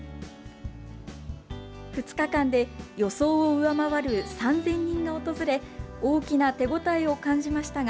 ２日間で予想を上回る３０００人が訪れ、大きな手応えを感じましたが、